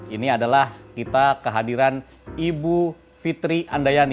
ini adalah kita kehadiran ibu fitri andayani